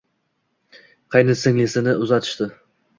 Qaynsinglisini uzatishdi